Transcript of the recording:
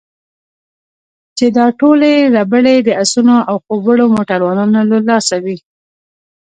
چې دا ټولې ربړې د اسونو او خوب وړو موټروانانو له لاسه وې.